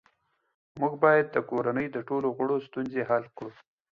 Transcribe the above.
موږ باید د کورنۍ د ټولو غړو ستونزې حل کړو